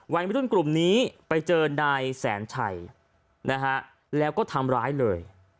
วัยรุ่นกลุ่มนี้ไปเจอนายแสนชัยนะฮะแล้วก็ทำร้ายเลย